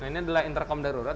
ini adalah intercom darurat